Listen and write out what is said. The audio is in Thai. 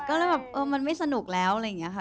ก็เลยแบบเออมันไม่สนุกแล้วอะไรอย่างนี้ค่ะ